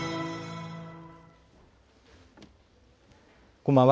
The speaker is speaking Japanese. こんばんは。